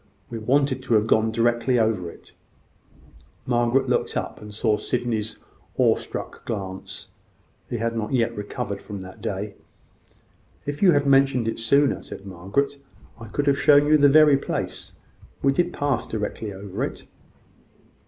We wanted to have gone directly over it." Margaret looked up, and caught Sydney's awe struck glance. He had not yet recovered from that day. "If you had mentioned it sooner," said Margaret, "I could have shown you the very place. We did pass directly over it."